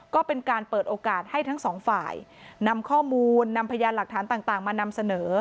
ก็เป็นการเปิดโอกาสให้ทั้งสองฝ่ายนำข้อมูลนำพยานหลักฐานต่างมานำเสนอ